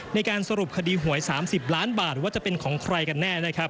ในการสรุปคดีหวย๓๐ล้านบาทว่าจะเป็นของใครกันแน่